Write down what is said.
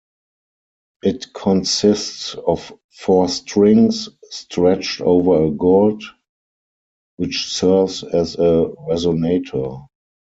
It consists of four strings, stretched over a gourd, which serves as a resonator.